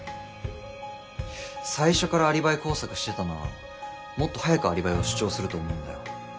最初からアリバイ工作してたならもっと早くアリバイを主張すると思うんだよ。